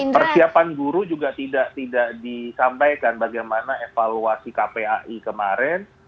persiapan guru juga tidak disampaikan bagaimana evaluasi kpai kemarin